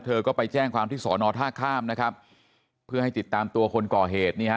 เธอก็ไปแจ้งความที่สอนอท่าข้ามนะครับเพื่อให้ติดตามตัวคนก่อเหตุนี่ฮะ